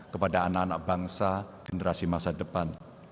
kepada anak anak bangsa generasi masa depan